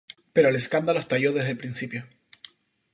Pero el escándalo estalló desde el principio.